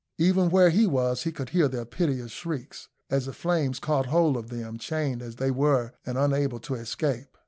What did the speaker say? Even where he was he could hear their piteous shrieks, as the flames caught hold of them, chained as they were and unable to escape.